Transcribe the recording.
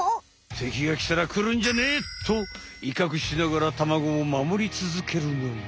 てきがきたら「くるんじゃねえ！」といかくしながらタマゴをまもりつづけるのよ。